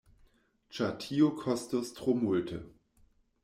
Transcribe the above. Ĉar tio kostus tro multe.